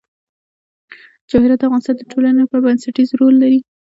جواهرات د افغانستان د ټولنې لپاره بنسټيز رول لري.